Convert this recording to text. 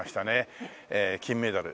金メダル